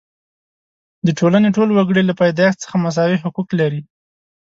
د ټولنې ټول وګړي له پیدایښت څخه مساوي حقوق لري.